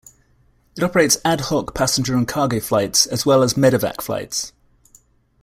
It operates ad hoc passenger and cargo flights, as well as medevac flights.